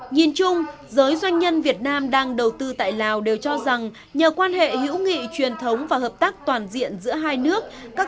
nhìn chung giới doanh nhân việt nam đang đầu tư tại lào đều cho rằng nhờ quan hệ hữu nghị truyền thống và hợp tác toàn diện giữa hai nước